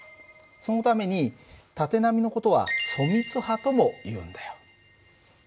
そのために縦波の事は疎密波ともいうんだよ。